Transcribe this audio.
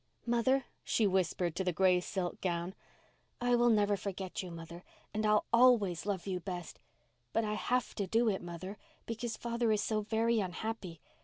"Mother," she whispered to the gray silk gown, "I will never forget you, mother, and I'll always love you best. But I have to do it, mother, because father is so very unhappy.